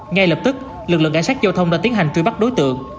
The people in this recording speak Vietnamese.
ngay lập tức lực lượng cảnh sát giao thông đã tiến hành truy bắt đối tượng